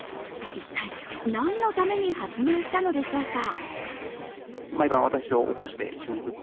一体、何のために発明したのでしょうか？